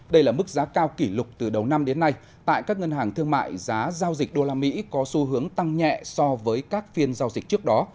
đây là mức giá cao kỷ lục từ đầu năm đến nay tại các ngân hàng thương mại giá giao dịch đô la mỹ có xu hướng tăng nhẹ so với các phiên giao dịch trước đó